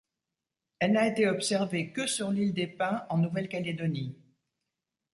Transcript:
Elle n'a été observée que sur l'île des Pins en Nouvelle-Calédonie.